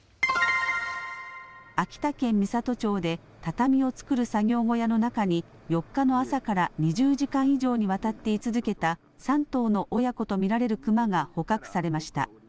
秋田県美郷町で畳を作る作業小屋の中に４日の朝から２０時間以上にわたって居続けた３頭の親子と見られるクマが捕獲されました。